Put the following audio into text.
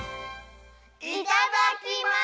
いただきます！